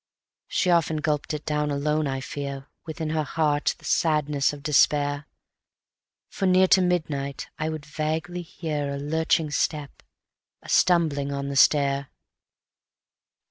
She often gulped it down alone, I fear, Within her heart the sadness of despair, For near to midnight I would vaguely hear A lurching step, a stumbling on the stair.